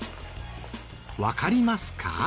わかりますか？